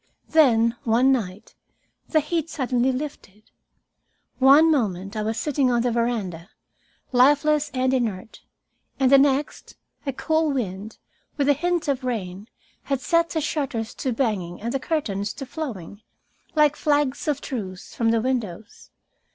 Then, one night, the heat suddenly lifted. One moment I was sitting on the veranda, lifeless and inert, and the next a cool wind, with a hint of rain, had set the shutters to banging and the curtains to flowing, like flags of truce, from the windows.